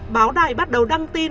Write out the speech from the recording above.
báo đài bắt đầu đăng tin